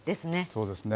そうですね。